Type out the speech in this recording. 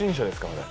あれ。